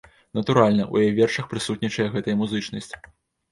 Натуральна, у яе вершах прысутнічае гэтая музычнасць.